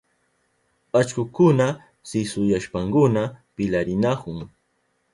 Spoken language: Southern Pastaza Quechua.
Allkukuna sisuyashpankuna pilarinahun.